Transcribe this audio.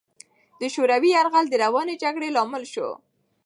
د شوروي یرغل د روانې جګړې لامل شو.